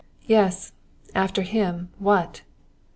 "Yes; after him, what?"